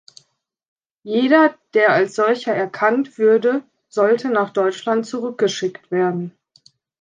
Jeder, der als solcher erkannt würde, sollte nach Deutschland zurückgeschickt werden.